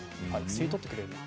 吸い取ってくれると。